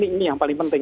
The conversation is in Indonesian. ini yang paling penting